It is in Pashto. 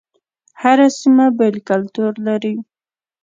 هر سيمه بیل کلتور لري